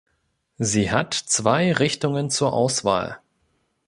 Sie hat zwei Richtungen zur Auswahl.